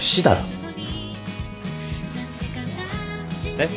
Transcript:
えっ？